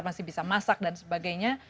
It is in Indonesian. masih bisa masak dan sebagainya